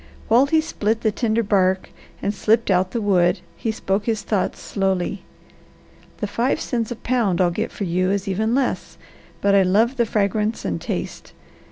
While he split the tender bark and slipped out the wood he spoke his thoughts slowly: "The five cents a pound I'll get for you is even less, but I love the fragrance and taste.